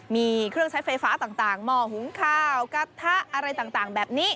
มีเครื่องใช้ไฟฟ้าต่างหม้อหุงข้าวกระทะอะไรต่างแบบนี้